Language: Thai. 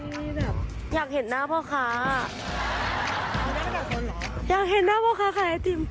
แล้วก็จะอยากเห็นหน้าพ่อค้าอยากเห็นหน้าพ่อค้าขายไอศกรีม